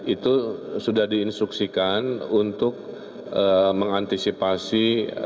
itu sudah diinstruksikan untuk mengantisipasi